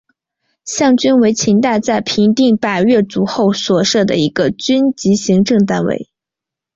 象郡为秦代在平定百越族后所设的一个郡级行政单位。